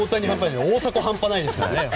大迫半端ないですからね。